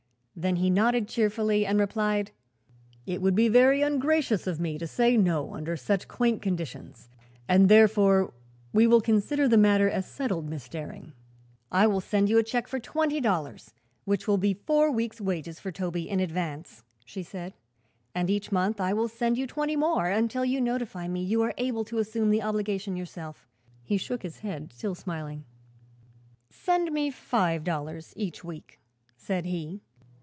Then he nodded cheerfully and replied: "It would be very ungracious of me to say no, under such quaint conditions, and therefore we will consider the matter as settled, Miss Daring." "I will send you a check for twenty dollars, which will be four weeks' wages for Toby, in advance," she said. "And each month I will send you twenty more, until you notify me you are able to assume the obligation yourself." He shook his head, still smiling. "Send me five dollars each week," said he.